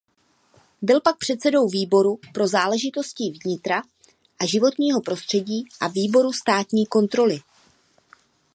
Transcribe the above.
Byl pak předsedou výboru pro záležitosti vnitra a životního prostředí a výboru státní kontroly.